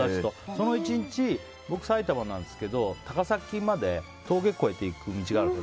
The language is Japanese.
その１日、僕、埼玉なんですけど高崎まで峠越えて行く道があって。